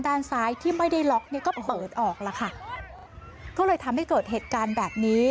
ด้านซ้ายที่ไม่ได้ล็อกเนี่ยก็เปิดออกแล้วค่ะก็เลยทำให้เกิดเหตุการณ์แบบนี้